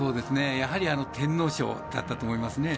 やはり天皇賞だったと思いますね。